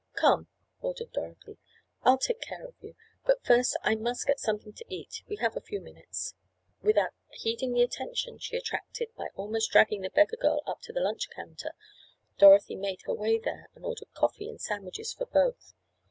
"Come," ordered Dorothy, "I'll take care of you. But first I must get something to eat. We have a few minutes." Without heeding the attention she attracted by almost dragging the beggar girl up to the lunch counter, Dorothy made her way there and ordered coffee and sandwiches for both.